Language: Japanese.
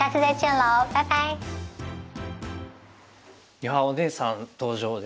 いやお姉さん登場で。